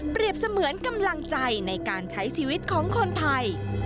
เสมือนกำลังใจในการใช้ชีวิตของคนไทย